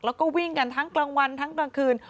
แล้วก็วิ่งกันทั้งกลางวันทั้งกลางคืน